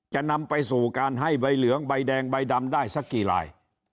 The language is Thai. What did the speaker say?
จะนำไปสู่การให้ใบเหลืองใบแดงใบดำได้สักกี่ลาย